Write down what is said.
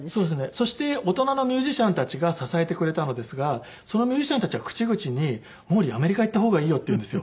そして大人のミュージシャンたちが支えてくれたのですがそのミュージシャンたちは口々に「モーリーアメリカ行った方がいいよ」って言うんですよ。